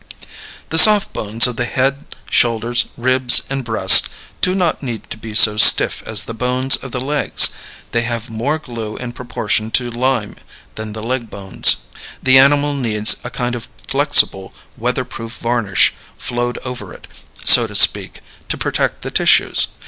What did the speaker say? The soft bones of the head, shoulders, ribs, and breast do not need to be so stiff as the bones of the legs; they have more glue in proportion to lime than the leg bones. The animal needs a kind of flexible, weather proof varnish flowed over it, so to speak, to protect the tissues.